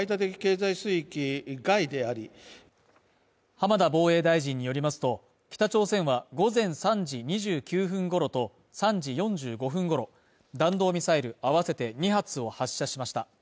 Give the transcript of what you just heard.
浜田防衛大臣によりますと、北朝鮮は午前３時２９分頃と３時４５分ごろ弾道ミサイル合わせて２発を発射しました。